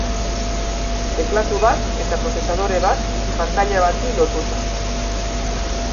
Teklatu bat eta prozesadore bat pantaila bati lotuta.